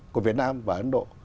của việt nam và ấn độ